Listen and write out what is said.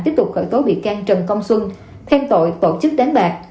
tiếp tục khởi tố bị can trần công xuân theo tội tổ chức đánh bạc